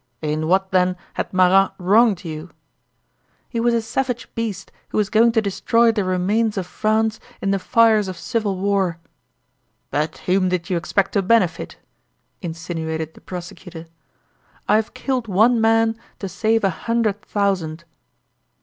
"In what, then, had Marat wronged you?" "He was a savage beast who was going to destroy the remains of France in the fires of civil war." "But whom did you expect to benefit?" insinuated the prosecutor. "I have killed one man to save a hundred thousand."